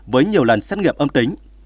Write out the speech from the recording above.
với nhiều lần xét nghiệm âm tính